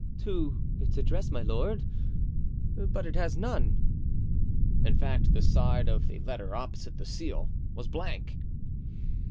"To its address, my lord? But it has none." In fact, the side of the letter opposite the seal was blank.